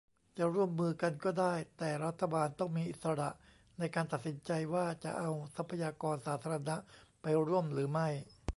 จะร่วมมือกันก็ได้ แต่รัฐบาลต้องมีอิสระในการตัดสินใจว่าจะเอาทรัพยากรสาธารณะไปร่วมหรือไม่